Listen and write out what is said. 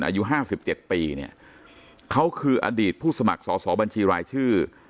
อายุห้าสิบเจ็ดปีเนี่ยเขาคืออดีตผู้สมัครสอบบัญชีรายชื่อ